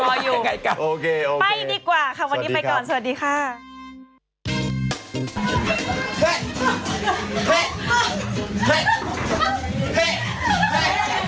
ไปดีกว่าค่ะวันนี้ไปก่อนสวัสดีค่ะ